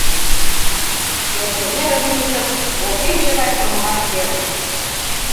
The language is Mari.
Элтемырын вуйжым волгенче гай шонымаш перыш.